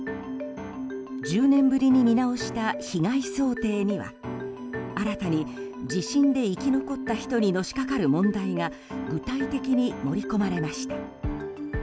１０年ぶりに見直した被害想定には新たに地震で生き残った人にのしかかる問題が具体的に盛り込まれました。